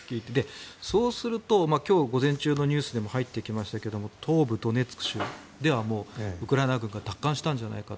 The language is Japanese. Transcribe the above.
そうすると今日午前中のニュースでも入ってきましたけど東部ドネツク州ではウクライナが奪還したんじゃないか。